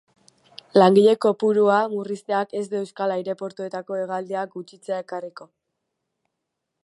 Langile kopurua murrizteak ez du euskal aireportuetako hegaldiak gutxitzea ekarriko.